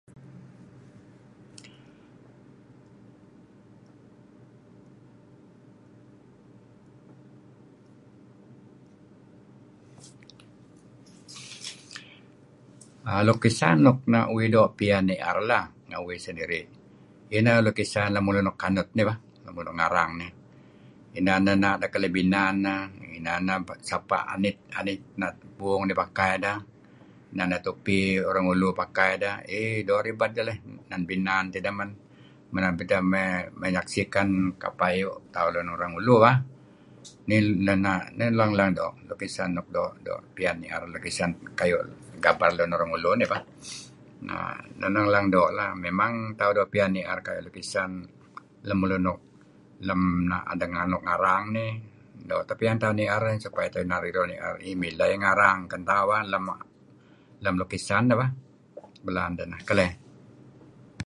Lukisan luk na' uih doo' piyan ni'er lah, nga' uih sendiri, iah ineh lukisan lemulun luk kanut nih bah, luk ngarang nih. Inan ena' deh keleh binan neh, inan neh sapa' anit, anit puung pakai deh, tupi orang ulu pakai deh, ei doo' ribed deh leh, inan binan tideh men err menyaksikan kapeh ayu' tauh lun orang ulu bah. Inih na' lang-lang doo' lukisan luk doo'-doo' kayu' gaber lun orang ulu nih bah, memang tauh doo' piyan ni'er lukisan luk ngarang nih, doo' teh piyan tauh supaya tauh doo' ni'er eh mileh iyah ngarang ken tauh bah lem lukisan nen bah belaan deh. Keleh.